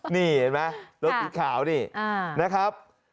นี่เห็นไหมรถสีขาวนี่นะครับ